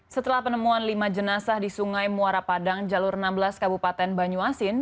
setelah penemuan lima jenazah di sungai muara padang jalur enam belas kabupaten banyuasin